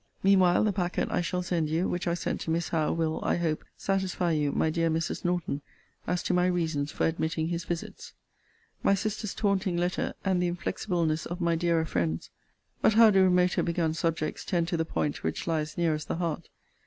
Mean while, the packet I shall send you, which I sent to Miss Howe, will, I hope, satisfy you, my dear Mrs. Norton, as to my reasons for admitting his visits. My sister's taunting letter, and the inflexibleness of my dearer friends But how do remoter begun subjects tend to the point which lies nearest the heart!